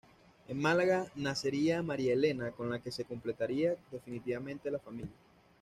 En Málaga nacería María Elena, con la que se completaría definitivamente la familia.